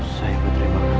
saya berterima kasih